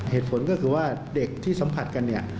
เหตุผลก็คือว่าเด็กที่สัมผัสกันเนี่ย